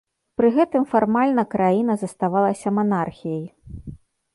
Пры гэтым фармальна краіна заставалася манархіяй.